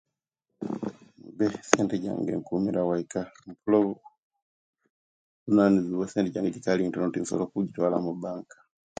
Be esente gjange inkumira waika olwo obuvunaniwa esente gjange gjikali intono tinsobola okujitwala mubanka